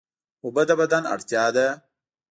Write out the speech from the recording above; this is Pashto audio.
اوبه د بدن اړتیا ده